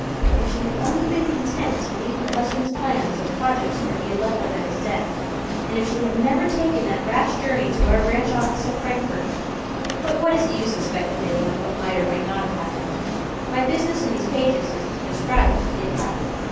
If she had only been content to leave her husband's plans and projects where he had left them at his death, and if she had never taken that rash journey to our branch office at Frankfort but what is the use of speculating on what might or might not have happened? My business in these pages is to describe what did happen.